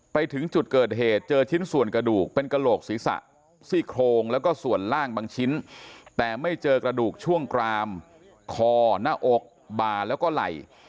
ไปถึงจุดเกิดเหตุเจอชิ้นส่วนกระดูกเป็นกระโหลกศีรษะซี่โครงแล้วก็ส่วนล่างบางชิ้นแต่ไม่เจอกระดูกช่วงกรามคอหน้าอกบาแล้วก็ไหล่